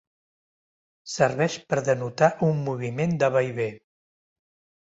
Serveix per denotar un moviment de vaivé.